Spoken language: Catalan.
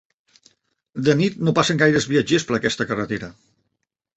De nit no passen gaires viatgers per aquesta carretera.